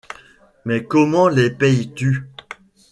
Mais comment les payes-tu ?